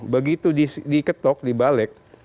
begitu diketok dibalik